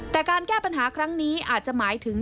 แต่การแก้ปัญหาครั้งนี้อาจจะหมายถึง